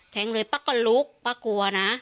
เลยป้าก็ลุกป้ากลัวนะ